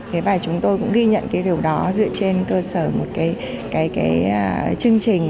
thế và chúng tôi cũng ghi nhận cái điều đó dựa trên cơ sở một cái chương trình